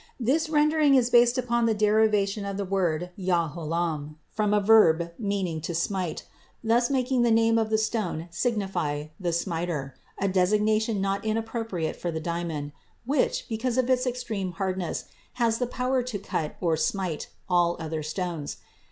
This rendering is based upon the derivation of the word yahalom from a verb meaning "to smite," thus making the name of the stone signify "the smiter," a designation not inappropriate for the diamond, which, because of its extreme hardness, has the power to cut, or "smite," all other stones.